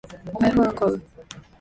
iPhone を買う